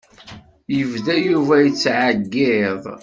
Yebda Yuba yettεeyyiḍ.